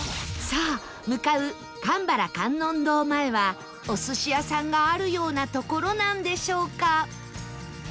さあ向かう鎌原観音堂前はお寿司屋さんがあるような所なんでしょうか？